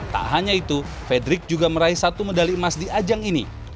tak hanya itu fredrik juga meraih satu medali emas di ajang ini